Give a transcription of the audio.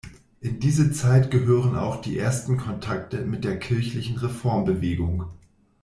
In diese Zeit gehören auch die ersten Kontakte mit der kirchlichen Reformbewegung.